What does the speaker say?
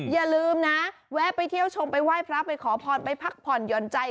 อย่าลืมนะแวะไปเที่ยวชมไปไหว้พระไปขอพรไปพักผ่อนหย่อนใจ